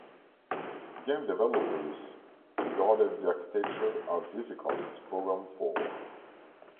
Game developers regarded the architecture as difficult to program for.